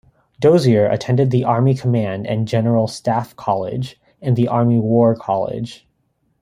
Dozier attended the Army Command and General Staff College and the Army War College.